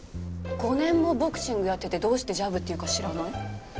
５年もボクシングやっててどうしてジャブっていうか知らない？